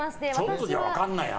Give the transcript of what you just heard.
ちょっとじゃ分かんないよ。